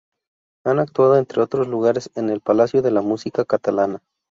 Han actuado, entre otros lugares, en el Palacio de la Música Catalana.